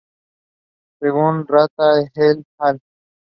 Según Serra et al.